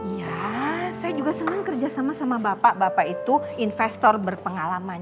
ya saya juga senang kerjasama sama bapak bapak itu investor berpengalaman